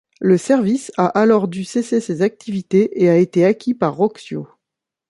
Le service a alors dû cesser ses activités et a été acquis par Roxio.